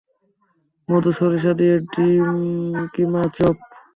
মধু সরিষা দিয়ে ডিম-কিমা চপ।